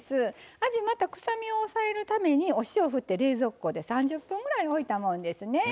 あじまた臭みを抑えるためにお塩を振って冷蔵庫で３０分ぐらいおいたもんですね。